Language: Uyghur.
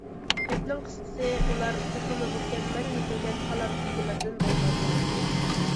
گەپنىڭ قىسقىسى، ئۇلار تېخىمۇ مۇكەممەل يېتىلگەن تالانت ئىگىلىرىدىن بولغان بولاتتى.